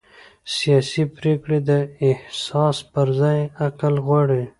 سیاسي پرېکړې د احساس پر ځای عقل غواړي